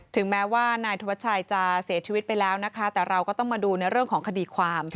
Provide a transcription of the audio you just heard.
ถึงแม้ว่านายธวัชชัยจะเสียชีวิตไปแล้วนะคะแต่เราก็ต้องมาดูในเรื่องของคดีความ